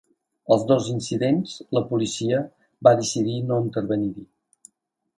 Als dos incidents, la policia va decidir no intervenir-hi.